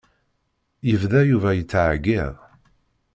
Yebda Yuba yettεeyyiḍ.